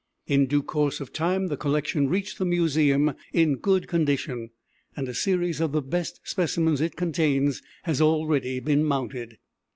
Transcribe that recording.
In due course of time the collection reached the Museum in good condition, and a series of the best specimens it contains has already been mounted.